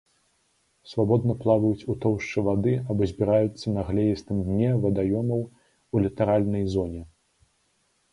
Свабодна плаваюць у тоўшчы вады або збіраюцца на глеістым дне вадаёмаў, у літаральнай зоне.